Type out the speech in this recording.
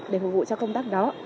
để phục vụ cho công tác đó